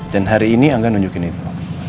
dan hari ini angga nunjukin itu